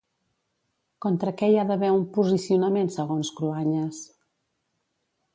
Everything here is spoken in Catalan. Contra què hi ha d'haver un posicionament segons Cruanyes?